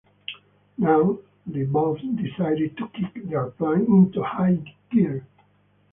Now, they both decided to kick their plan into high gear.